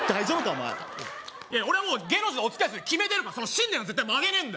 お前いや俺はもう芸能人とお付き合いする決めてるから信念は曲げねえんだ